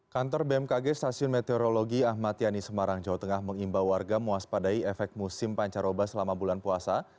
kantor bmkg stasiun meteorologi ahmad yani semarang jawa tengah mengimbau warga mewaspadai efek musim pancaroba selama bulan puasa